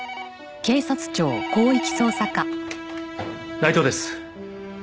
内藤です。